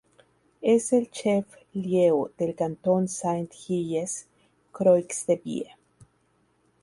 Es el "chef-lieu" del cantón Saint-Gilles-Croix-de-Vie.